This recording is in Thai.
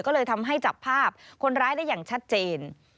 ก็เลยทำให้จับภาพคนร้ายได้อย่างชัดเจน